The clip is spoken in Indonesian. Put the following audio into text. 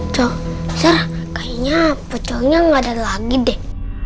cowok cowok kayaknya apa cowoknya enggak ada lagi deh